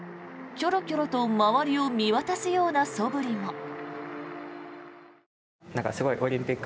きょろきょろと周りを見渡すようなそぶりも。